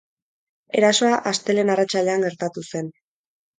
Erasoa astelehen arratsaldean gertatu zen.